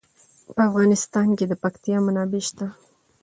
په افغانستان کې د پکتیا منابع شته.